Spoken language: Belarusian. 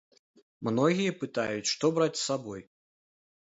Многія пытаюць, што браць з сабой?